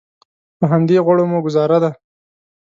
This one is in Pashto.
په همدې غوړو مو ګوزاره ده.